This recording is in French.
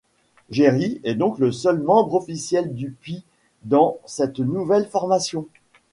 Jerry est donc le seul membre officiel du Pie dans cette nouvelle formation.